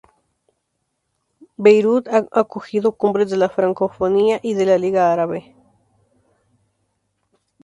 Beirut ha acogido cumbres de la francofonía y de la Liga Árabe.